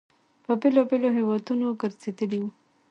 په بېلابېلو هیوادونو ګرځېدلی وي.